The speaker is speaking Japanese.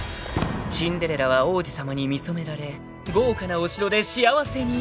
［シンデレラは王子様に見初められ豪華なお城で幸せに］